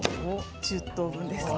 １０等分ですね。